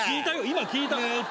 今聞いたよ。